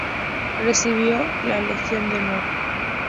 Recibió la Legión de Honor.